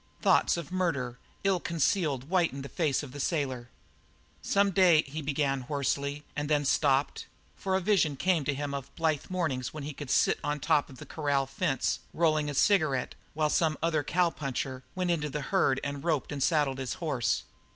Thoughts of murder, ill concealed, whitened the face of the sailor. "Some day " he began hoarsely, and then stopped. For a vision came to him of blithe mornings when he should sit on the top of the corral fence rolling a cigarette, while some other puncher went into the herd and roped and saddled his horse.